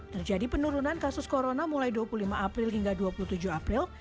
terjadi penurunan kasus corona mulai dua puluh lima april hingga dua puluh tujuh april